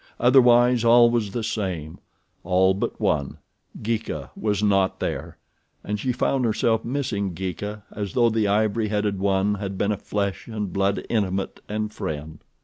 Otherwise all was the same—all but one. Geeka was not there, and she found herself missing Geeka as though the ivory headed one had been a flesh and blood intimate and friend.